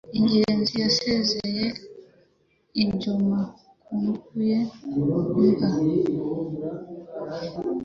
I Ngenzi yaseseye i Joma . kumbuye i Bwami